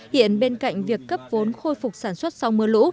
hiện bên cạnh việc cấp vốn khôi phục sản xuất sau mưa lũ